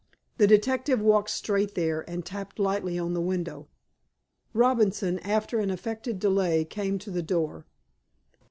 The detective walked straight there, and tapped lightly on the window. Robinson, after an affected delay, came to the door.